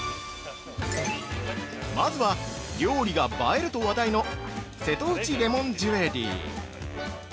まずは、料理が映えると話題の「瀬戸内レモンジュエリー」